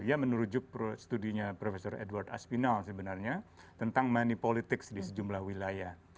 ya menurut studinya prof edward aspinall sebenarnya tentang money politics di sejumlah wilayah